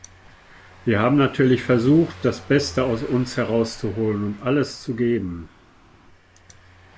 Wir haben natürlich versucht, das Beste aus uns herauszuholen und alles zu geben.